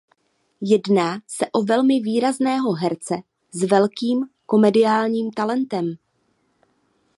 Jedná se o velmi výrazného herce s velkým komediálním talentem.